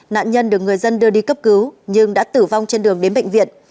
nạn nhân được người dân đưa đi cấp cứu nhưng đã tử vong trên đường đến bệnh viện